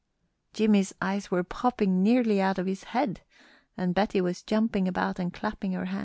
Jimmie's eyes were popping nearly out of his head, and Betty was jumping about and clapping her hands.